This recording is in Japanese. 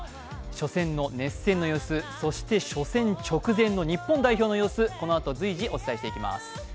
初戦の熱戦の様子、そして初戦直前の日本代表の様子、このあと随時お伝えしていきます。